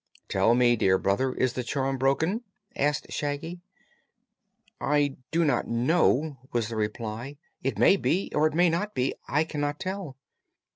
"Tell me, dear brother; is the charm broken?" asked Shaggy. "I do not know," was the reply. "It may be, or it may not be. I cannot tell."